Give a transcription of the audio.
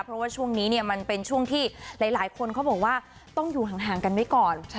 เพราะว่าช่วงนี้เนี่ยมันเป็นช่วงที่หลายคนเขาบอกว่าต้องอยู่ห่างกันไว้ก่อน